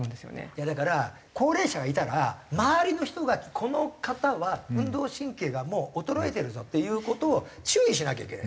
いやだから高齢者がいたら周りの人がこの方は運動神経がもう衰えてるぞっていう事を注意しなきゃいけない。